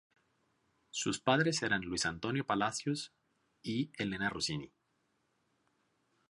Sus padres eran Luis Antonio Palacios y Elena Rossini.